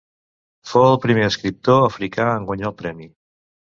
Fou el primer escriptor africà en guanyar el premi.